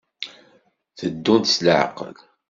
Tteddunt s leɛqel.